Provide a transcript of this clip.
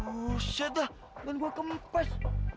buset dah band gua kempes